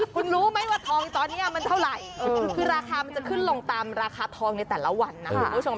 คุณรู้ไหมว่าทองตอนนี้มันเท่าไหร่คือราคามันจะขึ้นลงตามราคาทองในแต่ละวันนะคุณผู้ชม